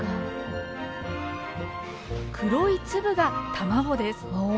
黒い粒が卵です。